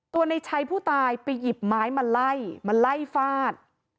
ในชัยผู้ตายไปหยิบไม้มาไล่มาไล่ฟาด